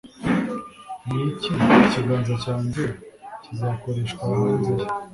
Ni iki ikiganza cyanjye kizakoreshwa hanze ye